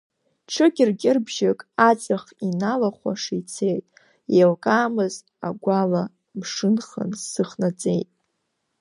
Ҽыкьыркьырбжьык аҵых иналахәаша ицеит, еилкаамыз агәала мшынхан, сыхнаҵеит.